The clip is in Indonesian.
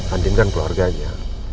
andin kan keluarganya